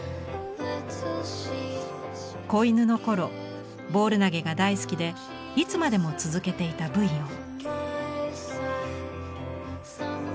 子犬の頃ボール投げが大好きでいつまでも続けていたブイヨン。